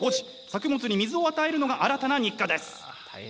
作物に水を与えるのが新たな日課です。